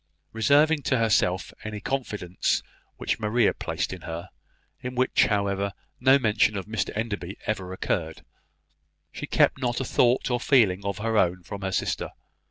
Reserving to herself any confidence which Maria placed in her (in which, however, no mention of Mr Enderby ever occurred), she kept not a thought or feeling of her own from her sister.